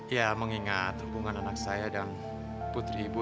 ya mengingat hubungan anak saya dan putri ibu